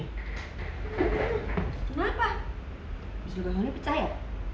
kenapa bisul bangunnya pecah ya